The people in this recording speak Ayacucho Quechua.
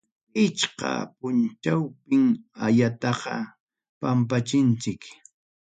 Pichqa punchawpim ayataqa pampanchik.